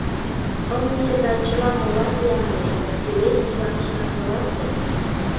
"Ымне да чыла молат ямде Василей Иванычлан каласе"